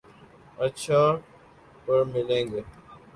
اچھا ، پرملیں گے